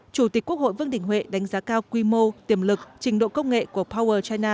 chủ tịch quốc hội vương đình huệ đánh giá cao quy mô tiềm lực trình độ công nghệ của power china